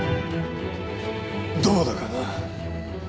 どうだかな。